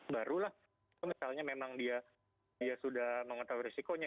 barulah misalnya memang dia sudah mengetahui risikonya